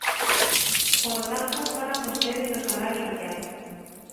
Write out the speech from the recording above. Polo tanto, falan vostedes do salario social.